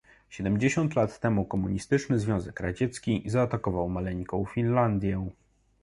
Siedemdziesiąt lat temu komunistyczny Związek Radziecki zaatakował maleńką Finlandię